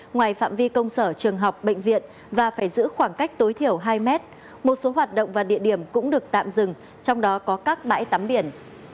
ngoài phạm vi công sở trường học bệnh viện và phải giữ khoảng cách tối thiểu hai mét một số hoạt động và địa điểm cũng được tạm dừng trong đó có các bãi tắm biển